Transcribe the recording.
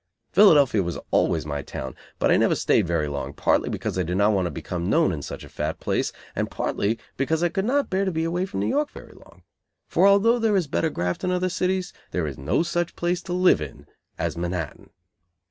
Philadelphia was always my town, but I never stayed very long, partly because I did not want to become known in such a fat place, and partly because I could not bear to be away from New York very long; for, although there is better graft in other cities, there is no such place to live in as Manhattan.